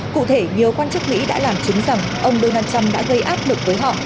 cụ thể nhiều quan chức mỹ đã làm chứng rằng ông donald trump đã gây áp lực với họ